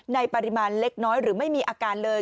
ปริมาณเล็กน้อยหรือไม่มีอาการเลย